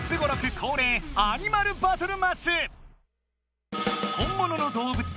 こうれい「アニマルバトル」マス！